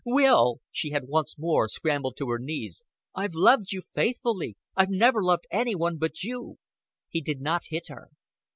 "Will!" She had once more scrambled to her knees. "I've loved you faithfully. I've never loved any one but you." He did not hit her.